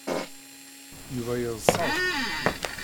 Yuba yeḍsa-d.